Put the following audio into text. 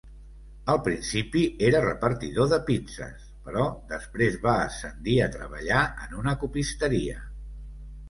Al principi era repartidor de pizzes, però després va ascendir a treballar en una copisteria.